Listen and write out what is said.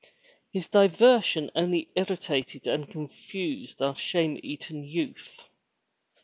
His diversion only irritated and confused our shame eaten youth.